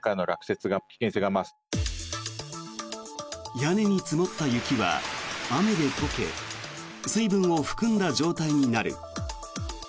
屋根に積もった雪は雨で解け水分を含んだ状態になる。